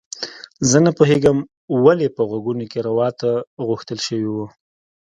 زه نه پوهیږم ولې په غوږونو کې روات غوښتل شوي وو